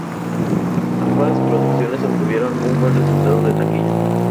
Ambas producciones obtuvieron un buen resultado de taquilla.